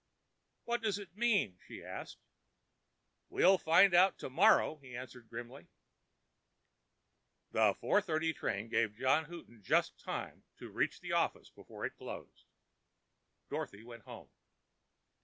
"What does it mean?" she asked. "We'll find out tomorrow," he answered grimly. The 4:30 train gave John Houghton just time to reach the office before it closed. Dorothy went home.